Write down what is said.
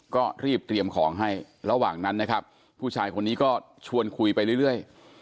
ก็รีบเตรียมของให้ระหว่างนั้นนะครับผู้ชายคนนี้ก็ชวนคุยไปเรื่อย